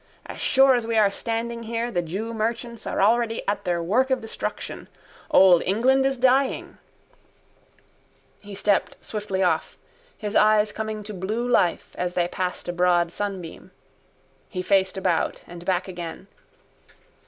As sure as we are standing here the jew merchants are already at their work of destruction. Old England is dying. He stepped swiftly off, his eyes coming to blue life as they passed a broad sunbeam. He faced about and back again.